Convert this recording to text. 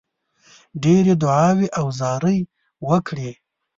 ډېرې دعاوي او زارۍ وکړې.